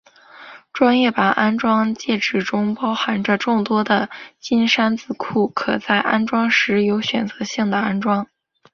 专业版安装介质中包含着众多的金山字库可在安装时有选择性的安装。